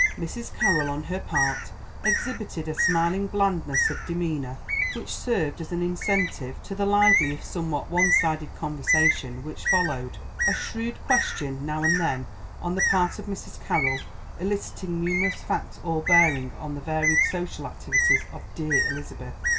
Mrs. Carroll, on her part, exhibited a smiling blandness of demeanour which served as an incentive to the lively, if somewhat one sided conversation which followed; a shrewd question now and then on the part of Mrs. Carroll eliciting numerous facts all bearing on the varied social activities of "dear Elizabeth."